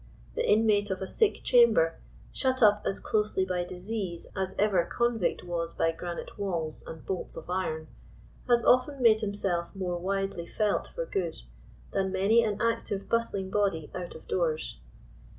The inmate of a sick chamber, shut up as closely by disease as ever convict was by granite walls and bolts of iron, has often made himself more widely felt for good, than many an active bust ling body out of doors.